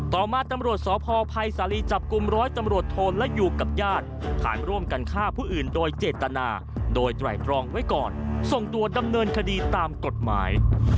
ต่อมาตำรวจสพภัยสาลีจับกลุ่มร้อยตำรวจโทนและอยู่กับญาติฐานร่วมกันฆ่าผู้อื่นโดยเจตนาโดยไตรตรองไว้ก่อนส่งตัวดำเนินคดีตามกฎหมาย